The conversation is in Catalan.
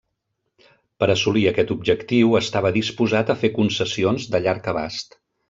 Per assolir aquest objectiu estava disposat a fer concessions de llarg abast.